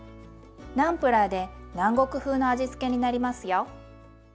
ナンプラーで南国風の味付けになりますよ。